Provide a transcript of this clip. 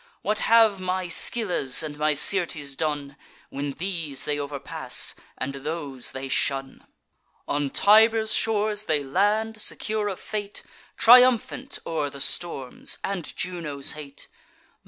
What have my Scyllas and my Syrtes done, When these they overpass, and those they shun? On Tiber's shores they land, secure of fate, Triumphant o'er the storms and Juno's hate.